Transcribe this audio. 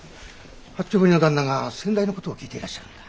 八丁堀の旦那が先代の事を聞いていらっしゃるんだ。